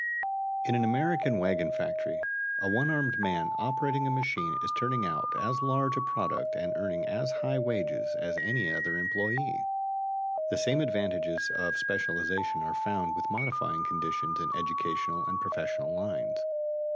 In an American wagon factory, a one armed man operating a machine is turning out as large a product and earning as high wages as any other employee. The same advantages of specialization are found with modifying conditions in educational and professional lines.